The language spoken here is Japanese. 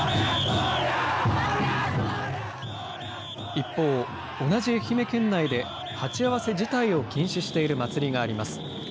一方、同じ愛媛県内で、鉢合わせ自体を禁止している祭りがあります。